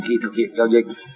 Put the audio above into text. khi thực hiện giao dịch